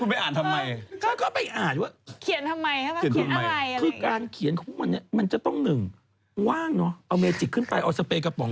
เพราะว่าคุณก็รู้อันอยู่สองคนอยู่ดีเราไม่ได้รู้เลยว่าเต้นิวไหน